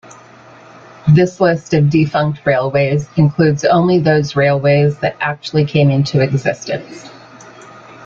This list of defunct railways includes only those railways that actually came into existence.